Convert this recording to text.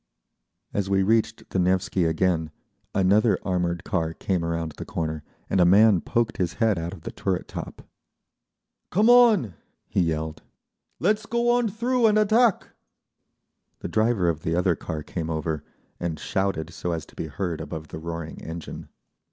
As we reached the Nevsky again another armoured car came around the corner, and a man poked his head out of the turret top. "Come on!" he yelled. "Let's go on through and attack!" The driver of the other car came over, and shouted so as to be heard above the roaring engine.